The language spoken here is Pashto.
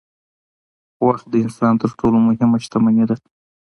وخت د انسان تر ټولو مهمه شتمني ده